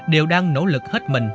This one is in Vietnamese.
đều đang nỗ lực hết mình